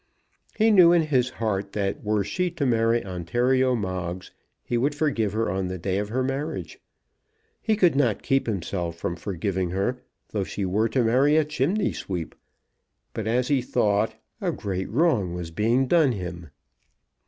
He knew in his heart that were she to marry Ontario Moggs he would forgive her on the day of her marriage. He could not keep himself from forgiving her though she were to marry a chimney sweep. But, as he thought, a great wrong was being done him.